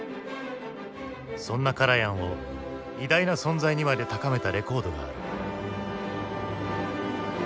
そんなカラヤンを偉大な存在にまで高めたレコードがある。